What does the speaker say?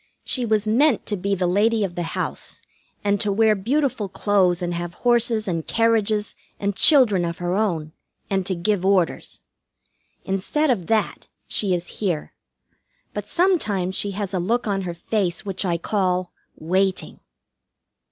She was meant to be the Lady of the House, and to wear beautiful clothes, and have horses and carriages and children of her own, and to give orders. Instead of that, she is here; but sometimes she has a look on her face which I call "Waiting."